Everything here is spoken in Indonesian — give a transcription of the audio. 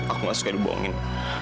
aku gak suka dibohongin